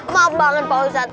maaf banget pak ustadz